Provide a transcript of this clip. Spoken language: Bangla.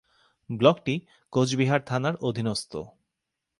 ব্লকটি কোচবিহার থানার অধীনস্থ।